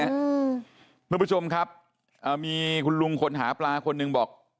เพราะบางคนค่ะมีคุณลุงขนหาปลาคนนึงบอก